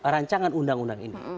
rancangan undang undang ini